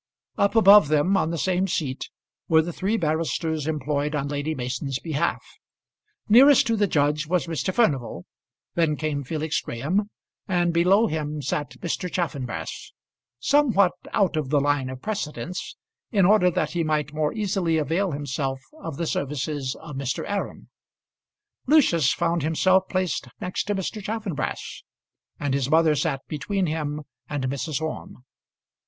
Up above them, on the same seat, were the three barristers employed on Lady Mason's behalf; nearest to the judge was Mr. Furnival; then came Felix Graham, and below him sat Mr. Chaffanbrass, somewhat out of the line of precedence, in order that he might more easily avail himself of the services of Mr. Aram. Lucius found himself placed next to Mr. Chaffanbrass, and his mother sat between him and Mrs. Orme.